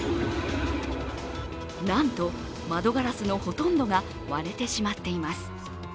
なんと、窓ガラスのほとんどが割れてしまっています。